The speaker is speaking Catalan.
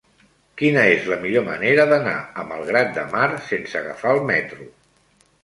Quina és la millor manera d'anar a Malgrat de Mar sense agafar el metro?